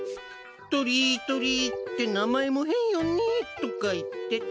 とりとりって名前も変よねとか言ってた。